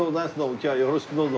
今日はよろしくどうぞ。